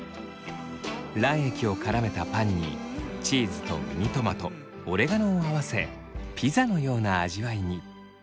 卵液をからめたパンにチーズとミニトマトオレガノを合わせピザのような味わいに。